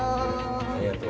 ありがとう。